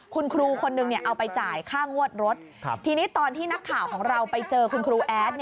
คุณครูคนนึงเอาไปจ่ายค่างวดรถทีนี้ตอนที่นักข่าวของเราไปเจอคุณครูแอด